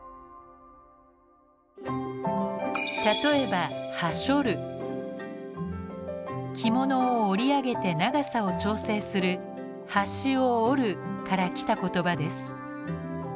例えば着物を折り上げて長さを調整する「端を折る」から来た言葉です。